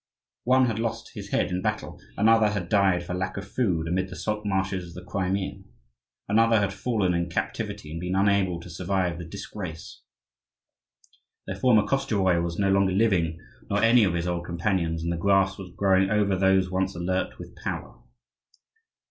One had lost his head in battle; another had died for lack of food, amid the salt marshes of the Crimea; another had fallen in captivity and been unable to survive the disgrace. Their former Koschevoi was no longer living, nor any of his old companions, and the grass was growing over those once alert with power.